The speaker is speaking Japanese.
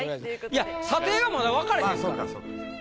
いや査定はまだ分かれへんから。